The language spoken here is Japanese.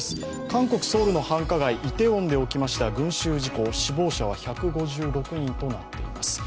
韓国ソウルの繁華街、イテウォンで起きました群集事故、死亡者は１５６人となっています。